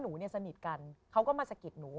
หนูเนี่ยสนิทกันเขาก็มาสะกิดหนู